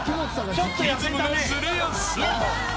リズムがずれやすい。